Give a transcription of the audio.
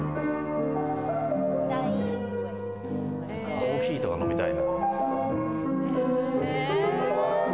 コーヒーとか飲みたいな。